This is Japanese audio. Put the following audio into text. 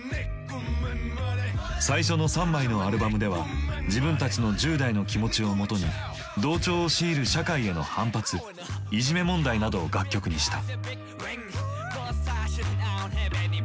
最初の３枚のアルバムでは自分たちの１０代の気持ちをもとに同調を強いる社会への反発いじめ問題などを楽曲にした。